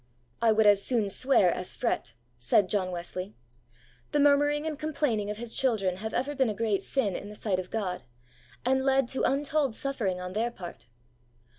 ' I would as soon swear as fret,' said John Wesley. The murmuring and complaining of His children have ever been a great sin in the sight of God, and led to untold suffering on their part.